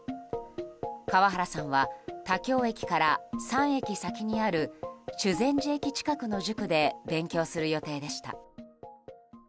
川原さんは田京駅から３駅先にある修善寺駅近くの塾で勉強する予定でした。